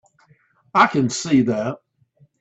I can see that.